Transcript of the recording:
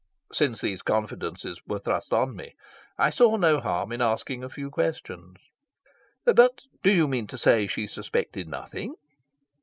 Since these confidences were thrust on me, I saw no harm in asking a few questions. "But do you mean to say she suspected nothing?"